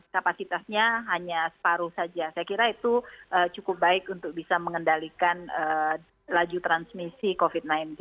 kapasitasnya hanya separuh saja saya kira itu cukup baik untuk bisa mengendalikan laju transmisi covid sembilan belas